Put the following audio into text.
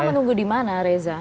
kita menunggu di mana reza